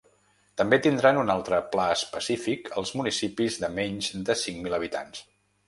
També tindran un altre pla específic els municipis de menys de cinc mil habitants.